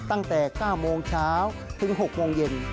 ตั้งแต่๙โมงเช้าถึง๖โมงเย็น